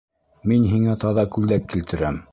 Мин һиңә таҙа күлдәк килтерәм.